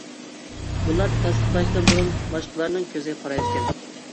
بۇلار تەستىقلاشتىن بۇرۇن باشلىقلارنىڭ كۆزىگە قارايدىكەن.